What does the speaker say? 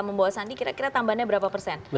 membawa sandi kira kira tambahannya berapa persen